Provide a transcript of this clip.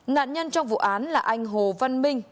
nạn nhân trong vụ án là anh hồ văn minh